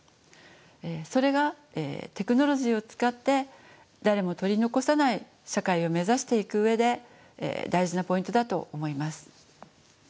それがテクノロジーを使って誰も取り残さない社会を目指していく上で大事なポイントだと思います。